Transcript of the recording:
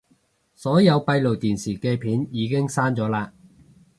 所有閉路電視嘅片已經刪咗喇